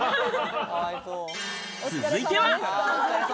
続いては。